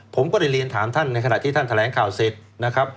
ผมก็ได้เรียนถามท่านในขณะที่ท่านแถลงข่าวเสร็จนะครับ